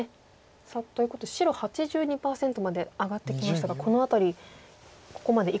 さあということで白８２％まで上がってきましたがこのあたりここまでいかがでしょう？